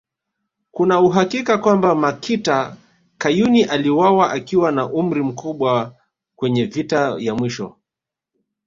Kuna uhakika kwamba Makita Kayuni aliuawa akiwa na umri mkubwa kwenye vita ya mwisho